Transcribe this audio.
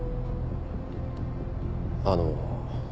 あの。